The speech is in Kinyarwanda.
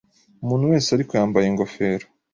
Umuntu wese ariko yambaye ingofero.